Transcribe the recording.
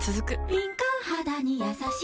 敏感肌にやさしい